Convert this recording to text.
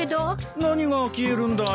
何が消えるんだい？